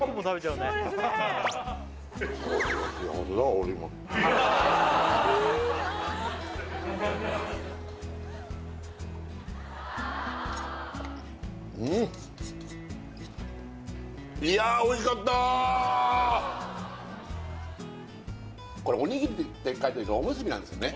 俺今うんこれ「おにぎり」って書いてるけど「おむすび」なんですよね